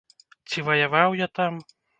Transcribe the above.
Ці ваяваў я там?